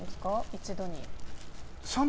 一度に。